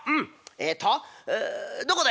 えっとどこだい？